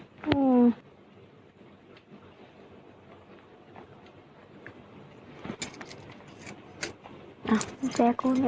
อ่ามุ่งแจกูดีกว่า